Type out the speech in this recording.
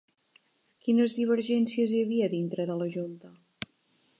Quines divergències hi havia dintre de la Junta?